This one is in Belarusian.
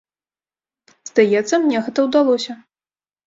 Здаецца, мне гэта ўдалося.